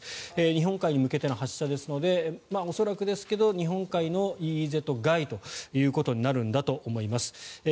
日本海に向けての発射ですので恐らくですが日本海のＥＥＺ外ということになるんだと思います。